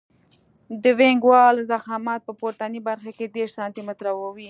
د وینګ وال ضخامت په پورتنۍ برخه کې دېرش سانتي متره وي